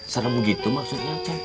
serem gitu maksudnya ceng